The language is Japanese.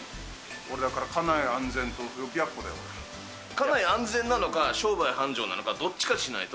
俺、だから家内安全と、家内安全なのか、商売繁盛なのか、どっちかにしないと。